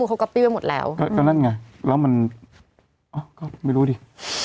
อะไรนะแล้วมันก็ไม่รู้ดิ